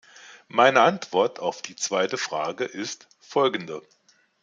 Meine Antwort auf die zweite Frage ist folgende.